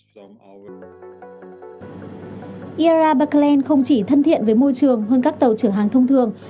zara berkeland không chỉ thân thiện với môi trường hơn các tàu chở hàng thông thường